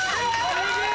・すげえ！